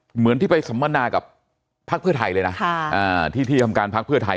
เหมือนที่ไปสัมมนากับพักเพื่อไทยเลยนะที่ที่ทำการพักเพื่อไทย